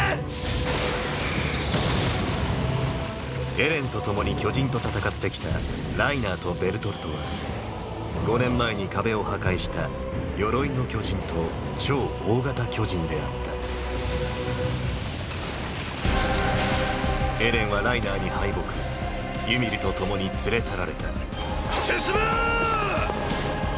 エレンと共に巨人と戦ってきたライナーとベルトルトは５年前に壁を破壊した「鎧の巨人」と「超大型巨人」であったエレンはライナーに敗北ユミルと共に連れ去られた進めーーっ！！